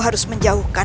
ya bisa tetap makan